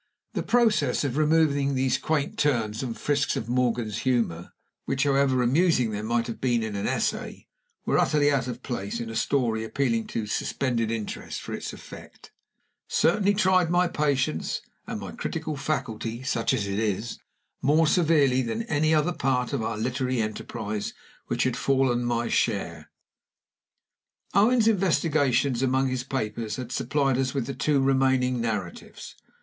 The process of removing these quaint turns and frisks of Morgan's humor which, however amusing they might have been in an essay, were utterly out of place in a story appealing to suspended interest for its effect certainly tried my patience and my critical faculty (such as it is) more severely than any other part of our literary enterprise which had fallen my share. Owen's investigations among his papers had supplied us with the two remaining narratives.